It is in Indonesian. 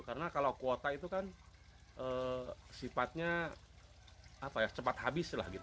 karena kalau kuota itu kan sifatnya cepat habis lah gitu